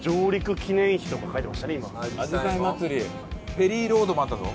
ペリーロードもあったぞ。